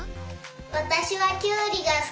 わたしはきゅうりがすき。